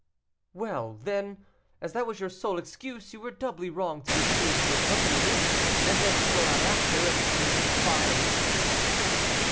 "Well, then, as that was your sole excuse, you were doubly wrong to refuse to accompany me, and then to go out after, and commit follies."